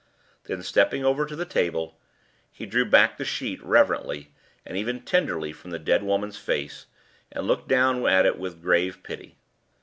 Then, stepping over to the table, he drew back the sheet reverently and even tenderly from the dead woman's face, and looked down at it with grave pity.